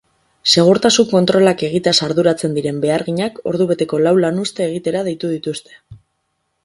Segurtasun kontrolak egiteaz arduratzen diren beharginak ordubeteko lau lanuzte egitera deitu dituzte.